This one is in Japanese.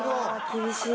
厳しい。